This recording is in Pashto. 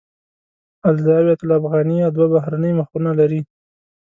الزاویة الافغانیه دوه بهرنۍ مخونه لري.